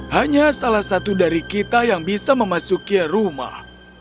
hanya salah satu dari kita yang bisa memasuki rumah